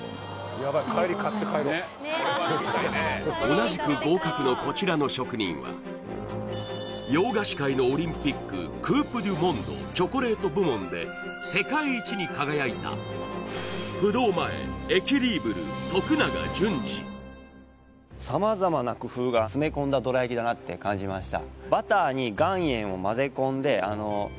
同じく合格のこちらの職人は洋菓子界のオリンピッククープ・デュ・モンドチョコレート部門で世界一に輝いただなって感じました